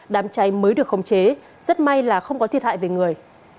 đám cháy mới được khống chế rất may là không có thiệt hại về người